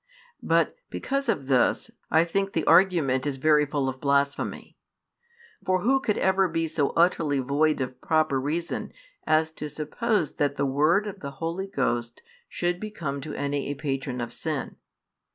But, because of this, I think the argument is very full of blasphemy. For who could ever be so utterly void of proper reason as to suppose that the Word of the Holy Ghost should become to any a patron of sin?